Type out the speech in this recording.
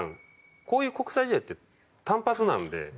こういう国際試合って単発なんで。